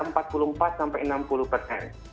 tetapi dengan booster itu efektivitasnya lebih tinggi